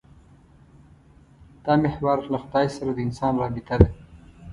دا محور له خدای سره د انسان رابطه ده.